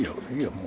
もう。